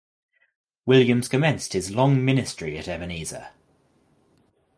Williams commenced his long ministry at Ebenezer.